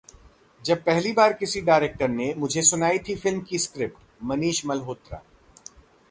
जब पहली बार किसी डायरेक्टर ने मुझे सुनाई थी फिल्म की स्क्रिप्ट: मनीष मल्होत्रा